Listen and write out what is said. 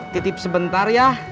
titip sebentar ya